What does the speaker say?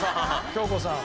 京子さん。